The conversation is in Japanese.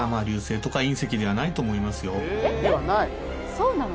そうなの！？